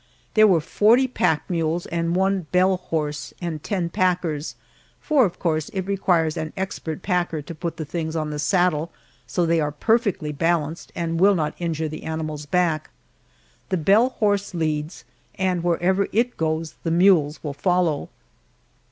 There were forty pack mules and one "bell horse" and ten packers for of course it requires an expert packer to put the things on the saddle so they are perfectly balanced and will not injure the animal's back. The bell horse leads, and wherever it goes the mules will follow.